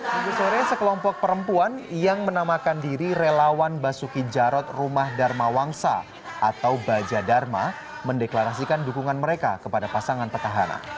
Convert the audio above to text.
minggu sore sekelompok perempuan yang menamakan diri relawan basuki jarot rumah dharma wangsa atau baja dharma mendeklarasikan dukungan mereka kepada pasangan petahana